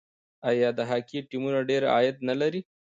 آیا د هاکي ټیمونه ډیر عاید نلري؟